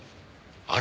あれ？